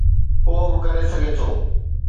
ڪو به ڪري سگهي ٿو.